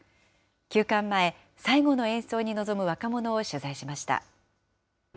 休館前、最後の演奏に臨む若者を取材しました。